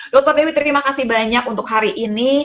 dr dewi terima kasih banyak untuk hari ini